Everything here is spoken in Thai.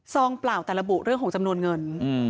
เปล่าแต่ระบุเรื่องของจำนวนเงิน